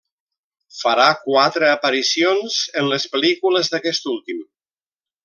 Farà quatre aparicions en les pel·lícules d'aquest últim.